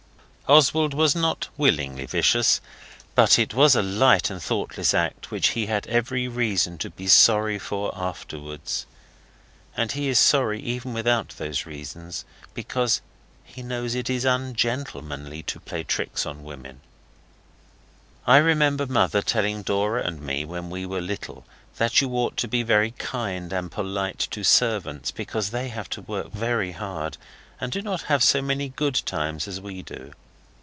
Oswald was not willingly vicious; it was but a light and thoughtless act which he had every reason to be sorry for afterwards. And he is sorry even without those reasons, because he knows it is ungentlemanly to play tricks on women. I remember Mother telling Dora and me when we were little that you ought to be very kind and polite to servants, because they have to work very hard, and do not have so many good times as we do.